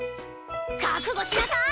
覚悟しなさい！